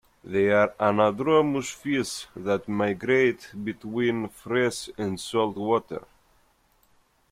They are anadromous fish that migrate between fresh and salt water.